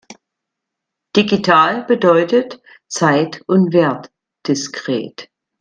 Digital bedeutet zeit- und wertdiskret.